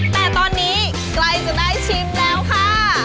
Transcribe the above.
แต่ตอนนี้ใกล้จะได้ชิมแล้วค่ะ